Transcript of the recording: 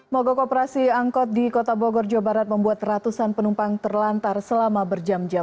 mogok operasi angkut di kota bogor jawa barat membuat ratusan penumpang terlantar selama berjam jam